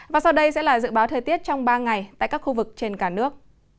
và sau đây sẽ là dự báo thời tiết trong ba ngày tại các khu vực trên cả nước